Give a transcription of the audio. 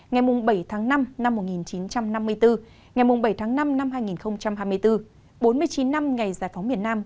ngày bảy tháng năm năm một nghìn chín trăm năm mươi bốn ngày bảy tháng năm năm hai nghìn hai mươi bốn bốn mươi chín năm ngày giải phóng miền nam